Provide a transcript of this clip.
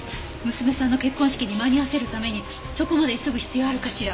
娘さんの結婚式に間に合わせるためにそこまで急ぐ必要あるかしら？